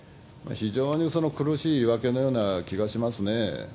非常に苦しい言い訳のような気がしますね。